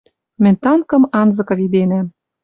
Мӹнь танкым анзыкы виденӓм